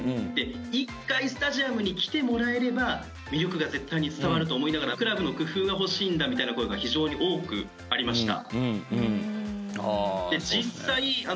一回スタジアムに来てもらえれば魅力が絶対に伝わると思いながらクラブの工夫が欲しいんだみたいな声が非常に多くありました。